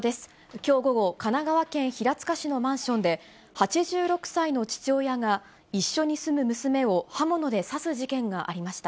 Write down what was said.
きょう午後、神奈川県平塚市のマンションで、８６歳の父親が、一緒に住む娘を刃物で刺す事件がありました。